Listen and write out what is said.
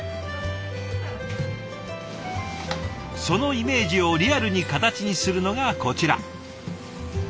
そのイメージをリアルに形にするのがこちら。